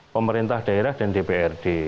pemerintah daerah dan dprd